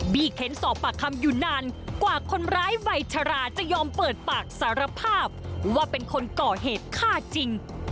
เค้นสอบปากคำอยู่นานกว่าคนร้ายวัยชราจะยอมเปิดปากสารภาพว่าเป็นคนก่อเหตุฆ่าจริง